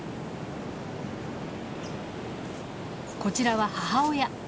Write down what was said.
こちらは母親。